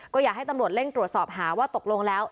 ก็อยากให้ตำรวจเร่งตรวจสอบหาว่าตกลงแล้ว